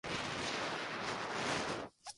Hizo su debut en los escenarios de Nueva York.